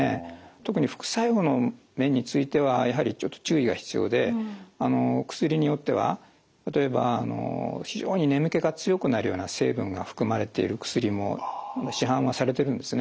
特に副作用の面についてはやはりちょっと注意が必要で薬によっては例えば非常に眠気が強くなるような成分が含まれている薬も市販はされてるんですね。